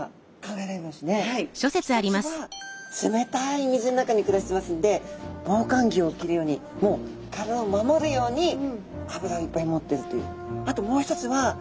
一つは冷たい水の中に暮らしてますんで防寒着を着るように体を守るように脂をいっぱい持ってるという。